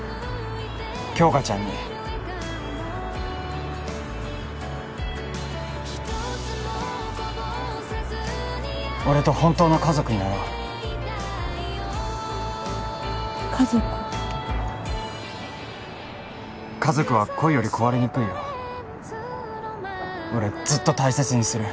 杏花ちゃんに俺と本当の家族になろう家族家族は恋より壊れにくいよ俺ずっと大切にする